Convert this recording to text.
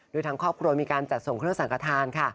โดยทางครอบครัวมีการจัดส่งเครื่องสังกฐานค่ะ